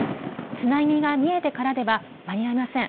津波が見えてからでは間に合いません。